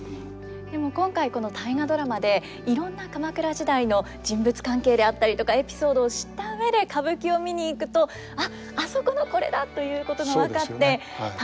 でも今回この「大河ドラマ」でいろんな鎌倉時代の人物関係であったりとかエピソードを知った上で歌舞伎を見に行くと「あっあそこのこれだ」ということが分かって楽しいでしょうね。